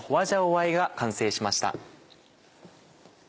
あえが完成しました。